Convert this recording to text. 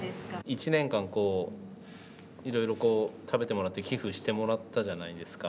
一年間いろいろ食べてもらって寄付してもらったじゃないですか。